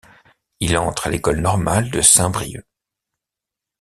Il entre à l'école normale de Saint-Brieuc.